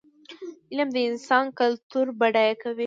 علم د انسان کلتور بډای کوي.